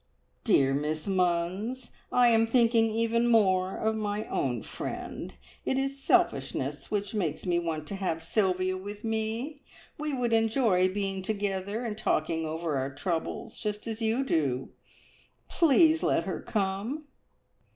"Dear Miss Munns, I am thinking even more of my own friend. It is selfishness which makes me want to have Sylvia with me. We would enjoy being together and talking over our troubles just as you do. Please let her come!"